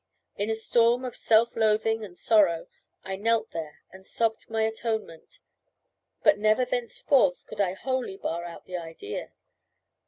In a storm of self loathing and sorrow, I knelt there and sobbed my atonement; but never thenceforth could I wholly bar out the idea.